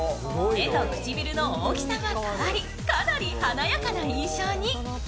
目と唇の大きさが変わりかなり華やかな印象に。